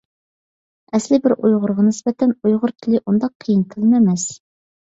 ئەسلى بىر ئۇيغۇرغا نىسبەتەن، ئۇيغۇر تىلى ئۇنداق قىيىن تىلمۇ ئەمەس.